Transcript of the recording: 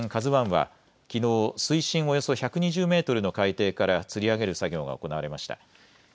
ＫＡＺＵＩはきのう水深およそ１２０メートルの海底からつり上げる作業が行われました。